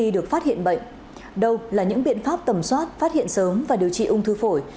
đầu là những biện pháp tầm soát phát hiện sớm và điều trị ung thư phổi